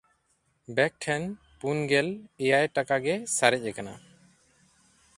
ᱵᱮᱠ ᱴᱷᱮᱱ ᱯᱩᱱᱜᱮᱞ ᱮᱭᱟᱭ ᱴᱟᱠᱟ ᱜᱮ ᱥᱟᱨᱮᱡ ᱠᱟᱱᱟ᱾